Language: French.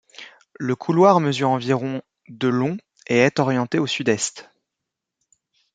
Le couloir mesure environ de long et est orienté au sud-est.